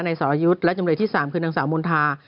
สรยุทธ์และจำเลยที่๓คือนางสาวมณฑา